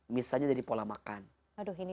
misalnya dari pola makan